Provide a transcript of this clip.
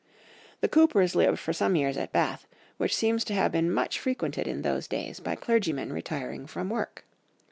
The Coopers lived for some years at Bath, which seems to have been much frequented in those days by clergymen retiring from work.